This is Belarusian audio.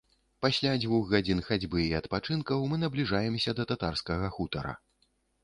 Пасля дзвюх гадзін хадзьбы і адпачынкаў мы набліжаемся да татарскага хутара.